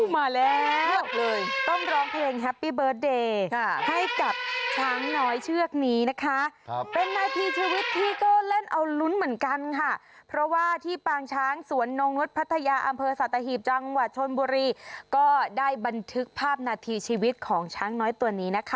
มาแล้วเชือกเลยต้องร้องเพลงแฮปปี้เบิร์ตเดย์ให้กับช้างน้อยเชือกนี้นะคะเป็นนาทีชีวิตที่ก็เล่นเอาลุ้นเหมือนกันค่ะเพราะว่าที่ปางช้างสวนนงนุษย์พัทยาอำเภอสัตหีบจังหวัดชนบุรีก็ได้บันทึกภาพนาทีชีวิตของช้างน้อยตัวนี้นะคะ